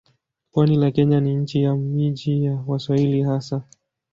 Pwani la Kenya ni nchi ya miji ya Waswahili hasa.